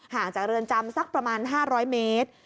จากเรือนจำสักประมาณ๕๐๐เมตร